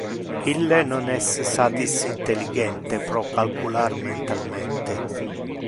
Ille non es satis intelligente pro calcular mentalmente.